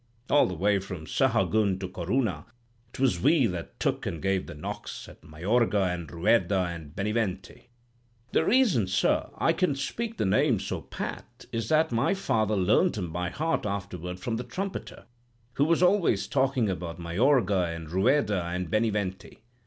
All the way from Sahagun to Corunna 'twas we that took and gave the knocks—at Mayorga and Rueda, and Bennyventy.'—The reason, sir, I can speak the names so pat, is that my father learnt 'em by heart afterward from the trumpeter, who was always talking about Mayorga and Rueda and Bennyventy.'